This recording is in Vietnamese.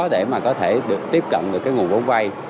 để mà có thể tiếp cận được nguồn bảo hiểm vay